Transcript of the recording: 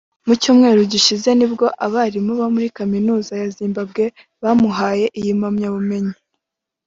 Mu cyumweru gishize nibwo abarimu bo muri Kaminuza ya Zimbabwe bamuhaye iyi mpamyabumenyi